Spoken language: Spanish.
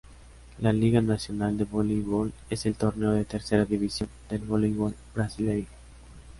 La Liga Nacional de Voleibol es el torneo de tercera división del voleibol brasilero.